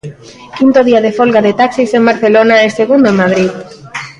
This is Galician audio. Quinto día de folga de taxis en Barcelona e segundo en Madrid.